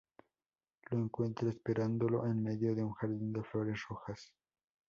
Lo encuentra esperándolo en medio de un jardín de flores rojas.